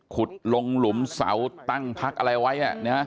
ขุดลงหลุมเสาตั้งพักอะไรไว้